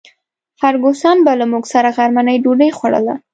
فرګوسن به له موږ سره غرمنۍ ډوډۍ خوړله.